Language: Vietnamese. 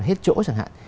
hết chỗ chẳng hạn